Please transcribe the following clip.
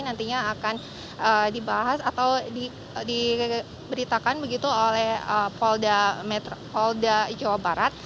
nantinya akan dibahas atau diberitakan begitu oleh polda jawa barat